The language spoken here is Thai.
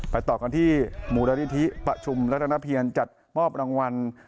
ต่อกันที่มูลนิธิประชุมรัฐนาเพียรจัดมอบรางวัล